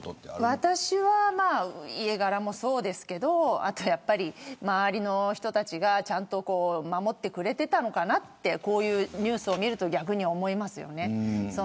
私は家柄もそうですが周りの人たちがちゃんと守ってくれていたのかなってこういうニュースを見ると逆に思います。